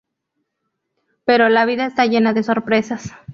Pero la vida está llena de sorpresas…